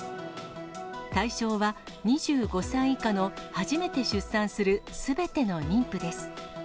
対象は、２５歳以下の初めて出産するすべての妊婦です。